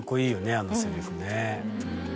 あのセリフね。